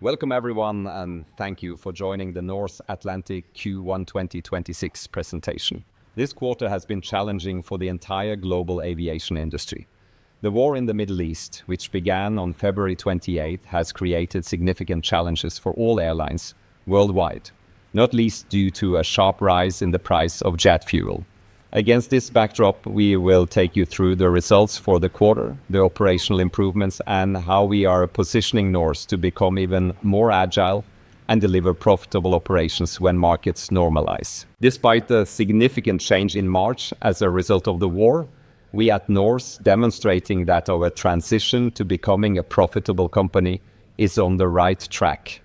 Welcome, everyone, and thank you for joining the Norse Atlantic Q1 2026 presentation. This quarter has been challenging for the entire global aviation industry. The war in the Middle East, which began on February 28th, has created significant challenges for all airlines worldwide, not least due to a sharp rise in the price of jet fuel. Against this backdrop, we will take you through the results for the quarter, the operational improvements, and how we are positioning Norse to become even more agile and deliver profitable operations when markets normalize. Despite the significant change in March as a result of the war, we at Norse are demonstrating that our transition to becoming a profitable company is on the right track.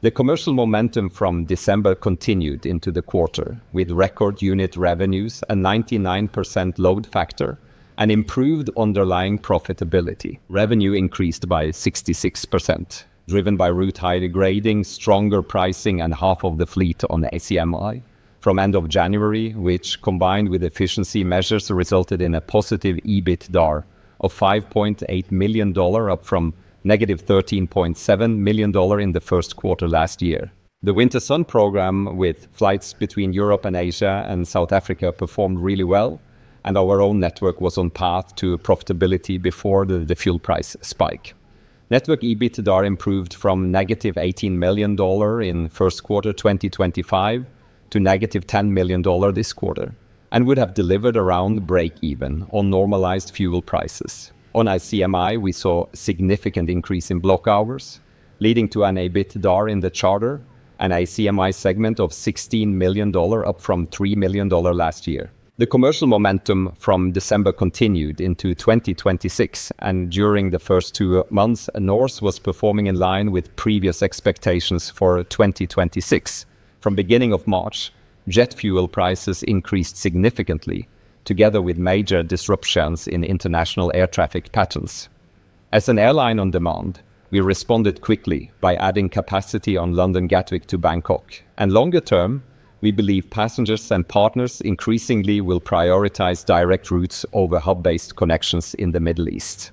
The commercial momentum from December continued into the quarter, with record unit revenues, a 99% load factor, and improved underlying profitability. Revenue increased by 66%, driven by route high-grading, stronger pricing, and half of the fleet on ACMI from end of January, which combined with efficiency measures resulted in a positive EBITDA of NOK 5.8 million, up from negative NOK 13.7 million in the first quarter last year. The Winter Sun program with flights between Europe and Asia and South Africa performed really well, and our own network was on path to profitability before the fuel price spike. Network EBITDA improved from negative NOK 18 million in first quarter 2025 to negative NOK 10 million this quarter and would have delivered around breakeven on normalized fuel prices. On ACMI, we saw significant increase in block hours, leading to an EBITDA in the charter and ACMI segment of NOK 16 million, up from NOK 3 million last year. The commercial momentum from December continued into 2026. During the first two months, Norse was performing in line with previous expectations for 2026. From beginning of March, jet fuel prices increased significantly together with major disruptions in international air traffic patterns. As an airline on demand, we responded quickly by adding capacity on London Gatwick to Bangkok. Longer term, we believe passengers and partners increasingly will prioritize direct routes over hub-based connections in the Middle East.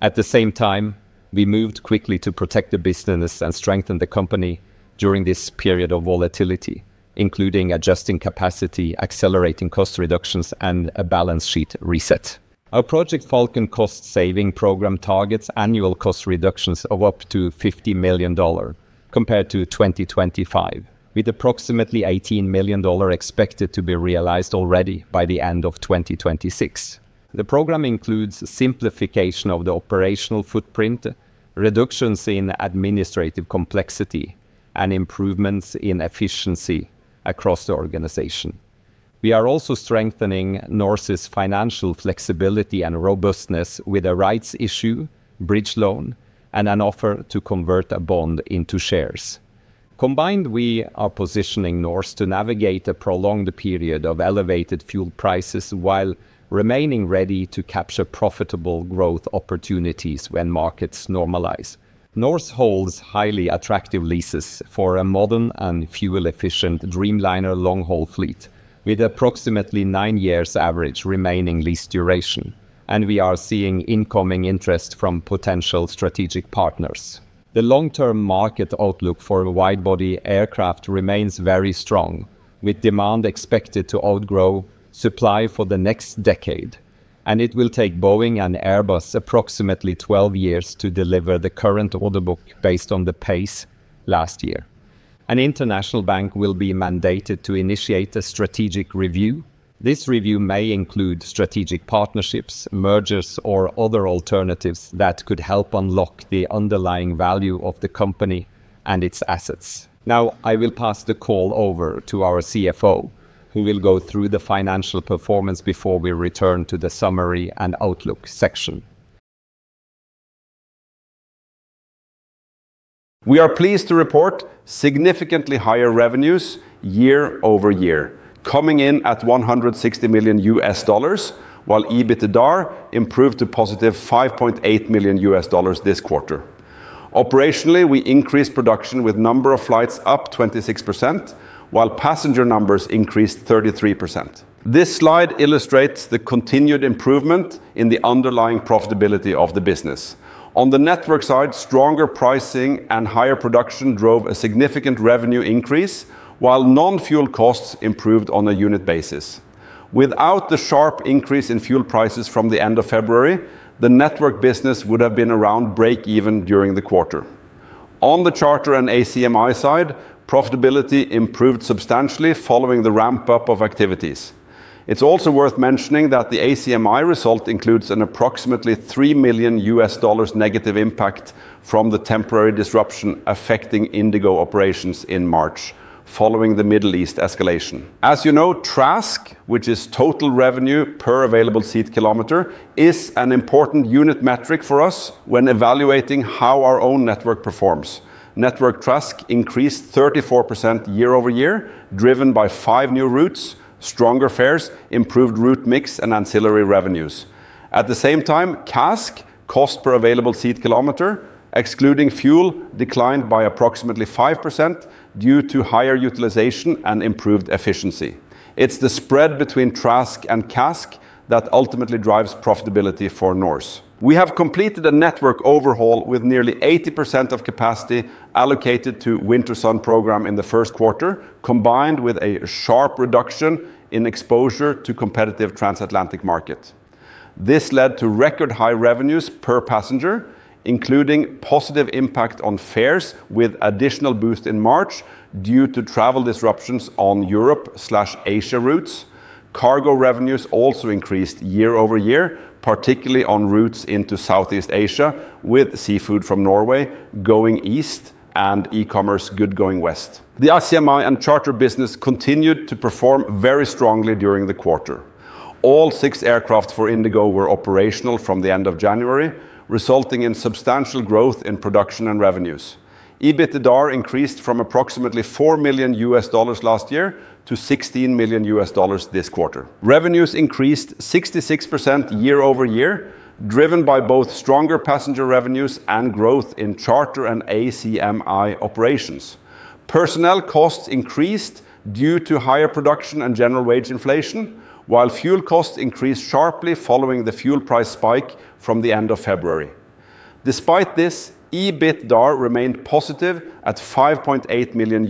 At the same time, we moved quickly to protect the business and strengthen the company during this period of volatility, including adjusting capacity, accelerating cost reductions, and a balance sheet reset. Our Project Falcon cost-saving program targets annual cost reductions of up to NOK 50 million compared to 2025, with approximately NOK 18 million expected to be realized already by the end of 2026. The program includes simplification of the operational footprint, reductions in administrative complexity, and improvements in efficiency across the organization. We are also strengthening Norse's financial flexibility and robustness with a rights issue, bridge loan, and an offer to convert a bond into shares. Combined, we are positioning Norse to navigate a prolonged period of elevated fuel prices while remaining ready to capture profitable growth opportunities when markets normalize. Norse holds highly attractive leases for a modern and fuel-efficient Dreamliner long-haul fleet with approximately nine years average remaining lease duration, and we are seeing incoming interest from potential strategic partners. The long-term market outlook for wide-body aircraft remains very strong, with demand expected to outgrow supply for the next decade, and it will take Boeing and Airbus approximately 12 years to deliver the current order book based on the pace last year. An international bank will be mandated to initiate a strategic review. This review may include strategic partnerships, mergers, or other alternatives that could help unlock the underlying value of the company and its assets. Now, I will pass the call over to our CFO, who will go through the financial performance before we return to the summary and outlook section. We are pleased to report significantly higher revenues year-over-year, coming in at $160 million, while EBITDA improved to positive $5.8 million this quarter. Operationally, we increased production with number of flights up 26%, while passenger numbers increased 33%. This slide illustrates the continued improvement in the underlying profitability of the business. On the network side, stronger pricing and higher production drove a significant revenue increase, while non-fuel costs improved on a unit basis. Without the sharp increase in fuel prices from the end of February, the network business would have been around breakeven during the quarter. On the charter and ACMI side, profitability improved substantially following the ramp-up of activities. It is also worth mentioning that the ACMI result includes an approximately $3 million negative impact from the temporary disruption affecting IndiGo operations in March, following the Middle East escalation. As you know, RASK, which is total revenue per available seat kilometer, is an important unit metric for us when evaluating how our own network performs. Network RASK increased 34% year-over-year, driven by five new routes, stronger fares, improved route mix, and ancillary revenues. At the same time, CASK, cost per available seat kilometer, excluding fuel, declined by approximately 5% due to higher utilization and improved efficiency. It's the spread between RASK and CASK that ultimately drives profitability for Norse. We have completed a network overhaul with nearly 80% of capacity allocated to Winter Sun program in the first quarter, combined with a sharp reduction in exposure to competitive transatlantic market. This led to record-high revenues per passenger, including positive impact on fares with additional boost in March due to travel disruptions on Europe/Asia routes. Cargo revenues also increased year-over-year, particularly on routes into Southeast Asia with seafood from Norway going east and e-commerce goods going west. The ACMI and charter business continued to perform very strongly during the quarter. All six aircraft for IndiGo were operational from the end of January, resulting in substantial growth in production and revenues. EBITDAR increased from approximately $4 million last year to $16 million this quarter. Revenues increased 66% year-over-year, driven by both stronger passenger revenues and growth in charter and ACMI operations. Personnel costs increased due to higher production and general wage inflation, while fuel costs increased sharply following the fuel price spike from the end of February. Despite this, EBITDAR remained positive at $5.8 million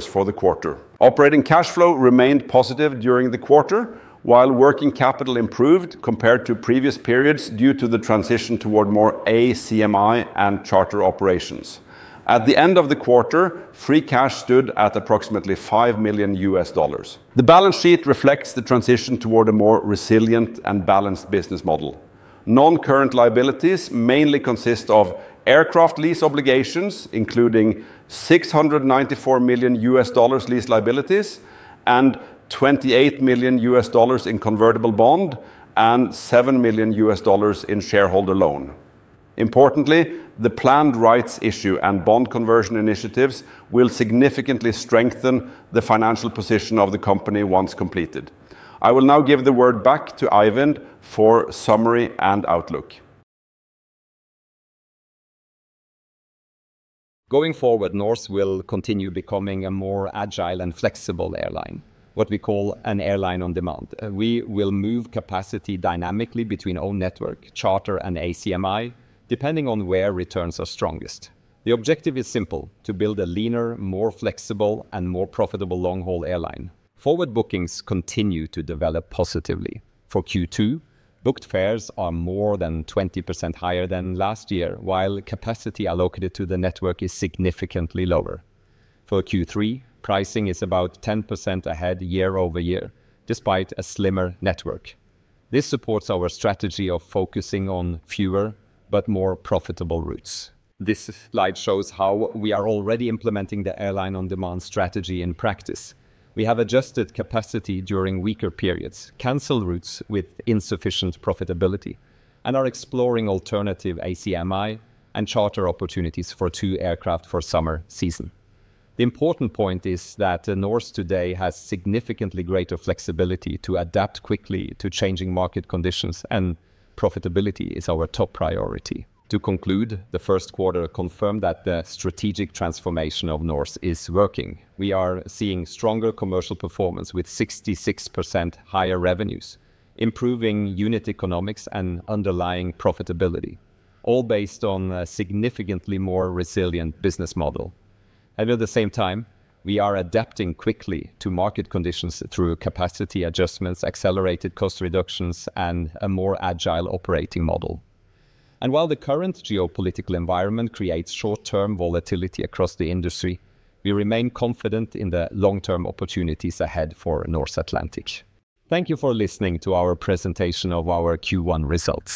for the quarter. Operating cash flow remained positive during the quarter, while working capital improved compared to previous periods due to the transition toward more ACMI and charter operations. At the end of the quarter, free cash stood at approximately $5 million. The balance sheet reflects the transition toward a more resilient and balanced business model. Non-current liabilities mainly consist of aircraft lease obligations, including $694 million lease liabilities, and $28 million in convertible bond, and $7 million in shareholder loan. Importantly, the planned rights issue and bond conversion initiatives will significantly strengthen the financial position of the company once completed. I will now give the word back to Eivind for summary and outlook. Going forward, Norse will continue becoming a more agile and flexible airline, what we call an airline on demand. We will move capacity dynamically between own network, charter, and ACMI, depending on where returns are strongest. The objective is simple, to build a leaner, more flexible, and more profitable long-haul airline. Forward bookings continue to develop positively. For Q2, booked fares are more than 20% higher than last year, while capacity allocated to the network is significantly lower. For Q3, pricing is about 10% ahead year-over-year, despite a slimmer network. This supports our strategy of focusing on fewer but more profitable routes. This slide shows how we are already implementing the airline on demand strategy in practice. We have adjusted capacity during weaker periods, canceled routes with insufficient profitability, and are exploring alternative ACMI and charter opportunities for two aircraft for summer season. The important point is that Norse today has significantly greater flexibility to adapt quickly to changing market conditions, and profitability is our top priority. To conclude, the first quarter confirmed that the strategic transformation of Norse is working. We are seeing stronger commercial performance with 66% higher revenues, improving unit economics, and underlying profitability, all based on a significantly more resilient business model. At the same time, we are adapting quickly to market conditions through capacity adjustments, accelerated cost reductions, and a more agile operating model. While the current geopolitical environment creates short-term volatility across the industry, we remain confident in the long-term opportunities ahead for Norse Atlantic. Thank you for listening to our presentation of our Q1 results.